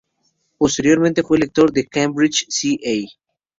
Posteriormente fue lector en Cambridge ca.